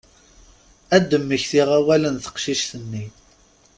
Ad d-mmektiɣ awal n teqcict-nni.